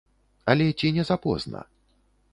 Але ці не запозна?